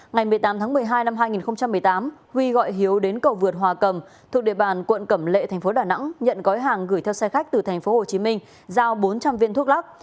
ngày một mươi tám tháng một mươi hai năm hai nghìn một mươi tám huy gọi hiếu đến cầu vượt hòa cầm thuộc địa bàn quận cẩm lệ tp đà nẵng nhận gói hàng gửi theo xe khách từ tp hcm giao bốn trăm linh viên thuốc lắc